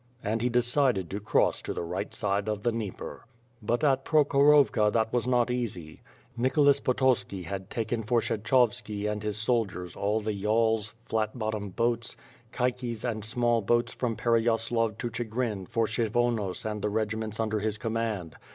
And he decided to cross to the right side of the Dnieper. But at Prokhorovka that was not easy. Nicholas Potocki had taken for Kshechovski and his soldiers all the yawls, WITH PtM AND SWOkD. ^79 flat bottom boats, caiques and small boats from Pereyaslav to Chigrin for Kshyvonos and the regiments under his com mand.